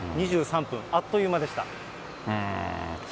２３分、あっという間でした。